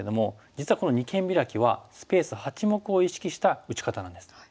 実はこの二間ビラキはスペース８目を意識した打ち方なんです。